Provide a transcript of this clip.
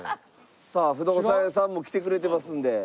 さあ不動産屋さんも来てくれてますので。